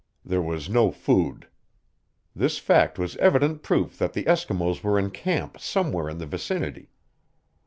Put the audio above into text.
There was no food. This fact was evident proof that the Eskimos were in camp somewhere in the vicinity.